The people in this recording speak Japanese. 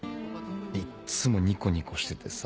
いっつもニコニコしててさ